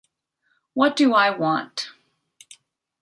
What do I want?